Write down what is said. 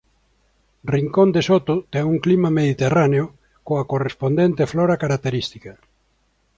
Rincón de Soto ten un clima mediterráneo coa correspondente flora característica.